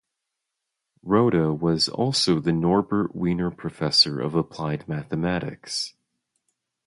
Rota was also the Norbert Wiener Professor of Applied Mathematics.